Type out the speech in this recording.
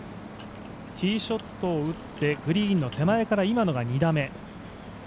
ティーショットを打ってグリーンの手前から、今のが２打目。